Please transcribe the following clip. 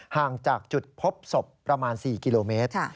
ห่างจากจุดพบศพประมาณ๔กิโลเมตร